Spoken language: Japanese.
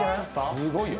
すごいよ。